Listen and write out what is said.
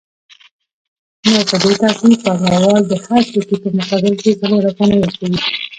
نو په دې ترتیب پانګوال د هر توکي په مقابل کې څلور افغانۍ ورکوي